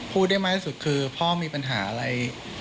พูดได้มากที่สุดคือพ่อมีปัญหาอะไร